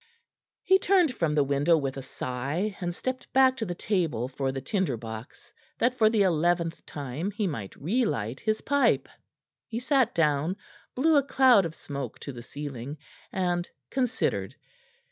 He turned from the window with a sigh, and stepped back to the table for the tinder box, that for the eleventh time he might relight his pipe. He sat down, blew a cloud of smoke to the ceiling, and considered.